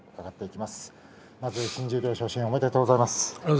まず新十両昇進ありがとうございます。